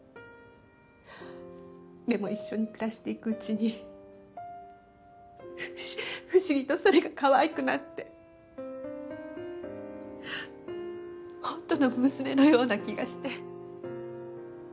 でも一緒に暮らしていくうちに不思議とそれが可愛くなって本当の娘のような気がして。